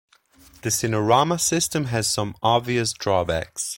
The Cinerama system had some obvious drawbacks.